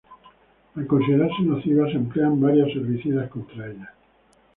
Al considerarse nociva se emplean varios herbicidas contra ella.